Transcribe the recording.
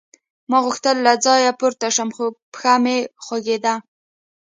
ما غوښتل له ځایه پورته شم خو پښه مې خوږېده